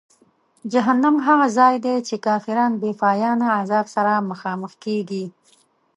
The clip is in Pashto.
جهنم هغه ځای دی چې کافران د بېپایانه عذاب سره مخامخ کیږي.